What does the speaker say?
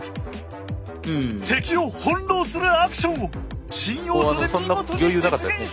「敵を翻弄するアクション」を新要素で見事に実現した！